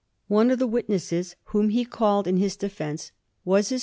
One of the witnesses whom he called in his defencewas his friend VOL.